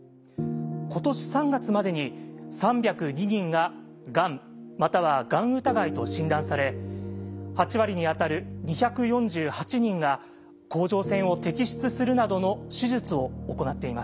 今年３月までに３０２人が「がん」または「がん疑い」と診断され８割にあたる２４８人が甲状腺を摘出するなどの手術を行っています。